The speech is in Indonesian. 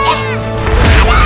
aik cari parksir